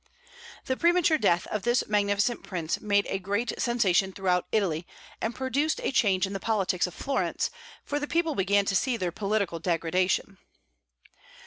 The premature death of this magnificent prince made a great sensation throughout Italy, and produced a change in the politics of Florence, for the people began to see their political degradation.